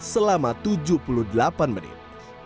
selama tujuh puluh delapan menit